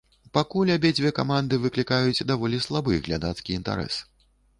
Пакуль абедзве каманды выклікаюць даволі слабы глядацкі інтарэс.